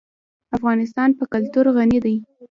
افغانستان په کلتور غني دی.